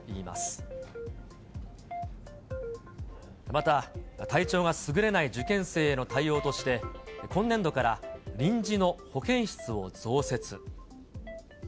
また、体調がすぐれない受験生への対応として、今年度から臨時の保健室を増設。